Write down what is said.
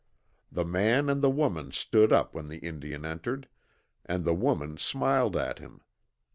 The man and the woman stood up when the Indian entered, and the woman smiled at him.